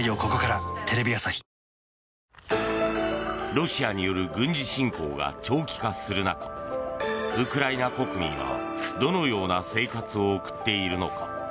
ロシアによる軍事侵攻が長期化する中ウクライナ国民はどのような生活を送っているのか。